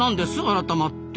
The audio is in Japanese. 改まって。